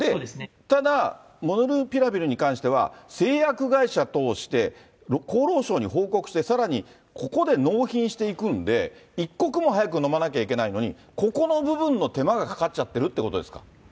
ただ、モルヌピラビルに関しては、製薬会社通して、厚労省に報告して、さらにここで納品していくんで、一刻も早く飲まなきゃいけないのに、ここの部分の手間がかかっちゃってるってことですか。